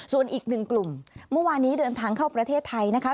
ส่วนอีกหนึ่งกลุ่มเมื่อวานนี้เดินทางเข้าประเทศไทยนะคะ